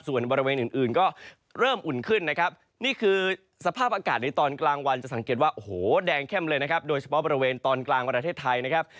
ส่วนบริเวณอื่นก็เริ่มอุ่นขึ้นนะครับนี่คือสภาพอากาศในตอนกลางวันจะสังเกตว่าโอ้โหแดงเข้มเลยนะครับโดยเฉพาะบริเวณตอนกลางประเทศไทยนะครับ